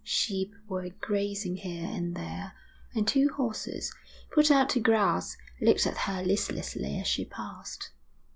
Sheep were grazing here and there, and two horses, put out to grass, looked at her listlessly as she passed.